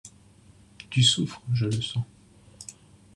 Tu souffres, je le sens.